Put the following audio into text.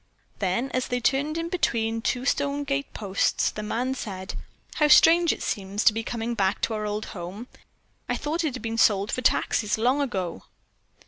Then, as they turned in between two stone gate posts, the man said: "How strange it seems to be, coming back to our old home. I thought it had been sold for taxes long ago."